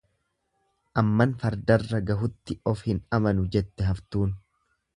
Amman fardarra gahutti of hin amanu jette haftuun.